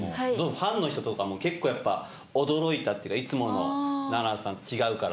ファンの人とかも結構やっぱ驚いたっていうかいつもの七瀬さんと違うから。